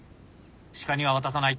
鹿には渡さない！